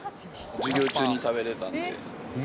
授業中に食べれたんで。